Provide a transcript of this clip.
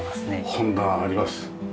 本棚あります。